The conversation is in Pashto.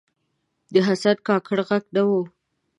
د حسن کاکړ ږغ نه و